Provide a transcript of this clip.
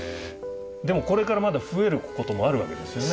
でもこれからまだ増えることもあるわけですよね？